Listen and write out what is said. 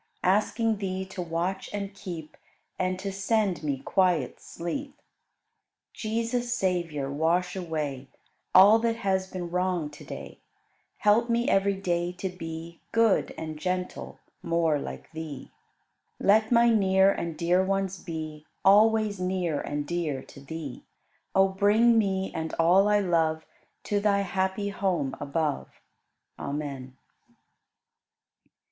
Asking Thee to watch and keep And to send me quiet sleep. Jesus, Savior, wash away All that has been wrong to day; Help me every day to be Good and gentle, more like Thee. Let my near and dear ones be Always near and dear to Thee. O bring me and all I love To Thy happy home above. Amen.